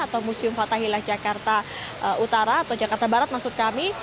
atau museum fathahilah jakarta utara atau jakarta barat maksud kami